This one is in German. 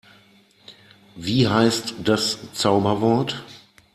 Wie heißt das Zauberwort?